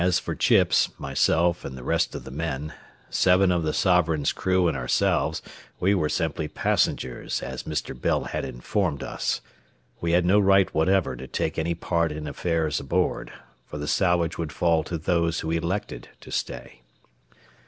As for Chips, myself, and the rest of the men, seven of the Sovereign's crew and ourselves, we were simply passengers, as Mr. Bell had informed us. We had no right whatever to take any part in affairs aboard, for the salvage would fall to those who elected to stay.